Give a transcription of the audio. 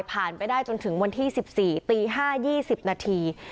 ผ่านไปได้จนถึงวันที่สิบสี่ตี๕๒๐นาที